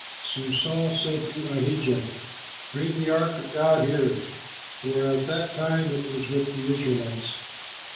So Saul said to Ahijah, "Bring the ark of God here," for at that time it was with the Israelites.